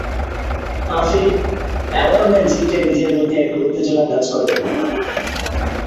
আফিফ: এমন ম্যাচ জিতলে নিজের মধ্যে একটা উত্তেজনা কাজ করে।